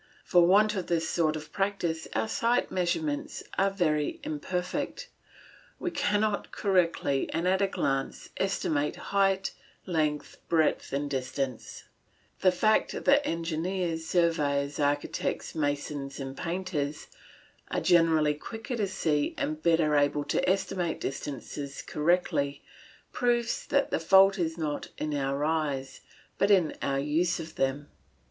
For want of this sort of practice our sight measurements are very imperfect. We cannot correctly, and at a glance, estimate height, length, breadth, and distance; and the fact that engineers, surveyors, architects, masons, and painters are generally quicker to see and better able to estimate distances correctly, proves that the fault is not in our eyes, but in our use of them.